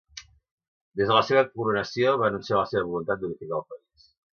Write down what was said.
Des de la seva coronació, va anunciar la seva voluntat d'unificar el país.